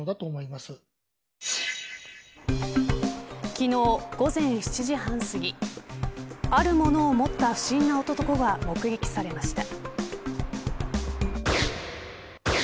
昨日午前７時半すぎあるものを持った不審な男が目撃されました。